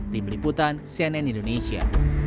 tim liputan cnn indonesia